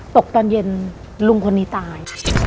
ตอนเย็นลุงคนนี้ตาย